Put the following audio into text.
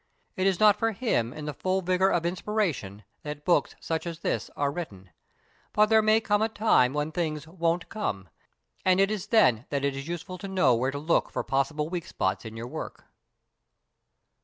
It is not for him in the full vigour of inspiration that books such as this are written. But there may come a time when things "won't come," and it is then that it is useful to know where to look for possible weak spots in your work.